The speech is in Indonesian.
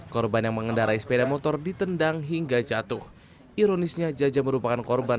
korban yang mengendarai sepeda motor ditendang hingga jatuh ironisnya jaja merupakan korban